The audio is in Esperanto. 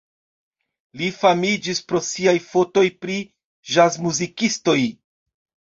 Li famiĝis pro siaj fotoj pri ĵazmuzikistoj.